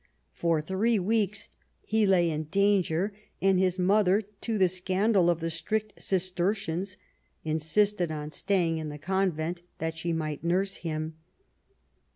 For three weeks he lay in danger, and his mother, to the scandal of the strict Cistercians, insisted on staying in the convent that she might nurse him.